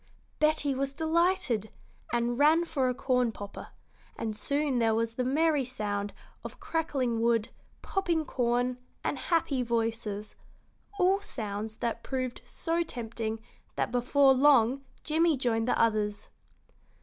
Betty was delighted, and ran for a corn popper, and soon there was the merry sound of crackling wood, popping corn, and happy voices all sounds that proved so tempting that before long Jimmie joined the others.